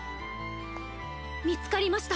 見つかりました。